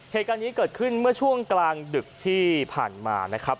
เหตุการณ์นี้เกิดขึ้นเมื่อช่วงกลางดึกที่ผ่านมานะครับ